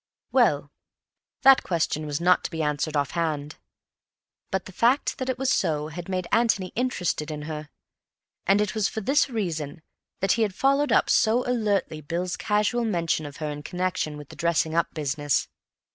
Well, that question was not to be answered off hand. But the fact that it was so had made Antony interested in her; and it was for this reason that he had followed up so alertly Bill's casual mention of her in connection with the dressing up business.